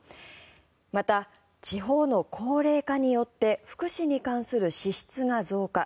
また、地方の高齢化によって福祉に関する支出が増加。